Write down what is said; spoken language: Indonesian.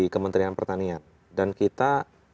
kementerian pertanian dan kita